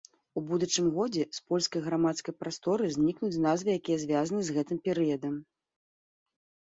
У будучым годзе з польскай грамадскай прасторы знікнуць назвы, якія звязаныя з гэтым перыядам.